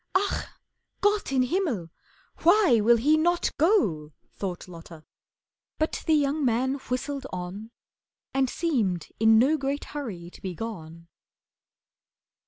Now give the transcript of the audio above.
"Ach, Gott im Himmel! Why will he not go!" Thought Lotta, but the young man whistled on, And seemed in no great hurry to be gone.